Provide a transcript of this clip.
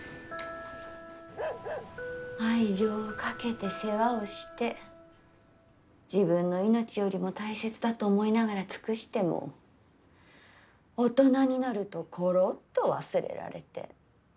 愛情をかけて世話をして自分の命よりも大切だと思いながら尽くしても大人になるとコロッと忘れられて。